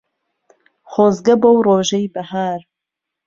خۆزگە بەو ڕۆژەی بەهار